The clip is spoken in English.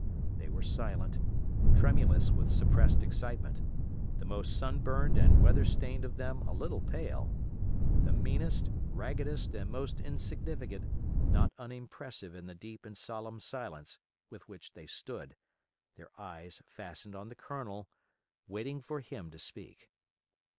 They were silent, tremulous with suppressed excitement; the most sun burned and weather stained of them a little pale; the meanest, raggedest, and most insignificant not unimpressive in the deep and solemn silence with which they stood, their eyes fastened on the Colonel, waiting for him to speak.